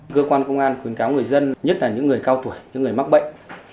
cơ quan công an khuyến cáo người dân nhất là những người cao tuổi những người mắc bệnh